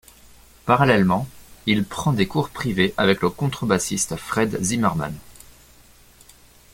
Parallèlement, il prend des cours privés avec le contrebassiste Fred Zimmerman.